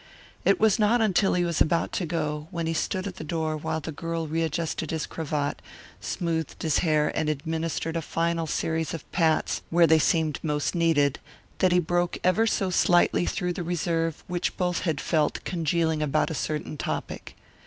It was not until he was about to go, when he stood at the door while the girl readjusted his cravat, smoothed his hair, and administered a final series of pats where they seemed most needed, that he broke ever so slightly through the reserve which both had felt congealing about a certain topic.